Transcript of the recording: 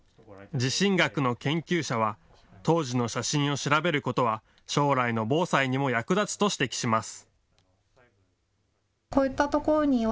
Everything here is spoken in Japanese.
地震学の研究者は当時の写真を調べることは将来の防災にも役立つと指摘します。